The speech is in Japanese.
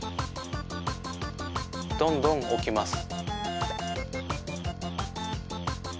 どんどんおきます。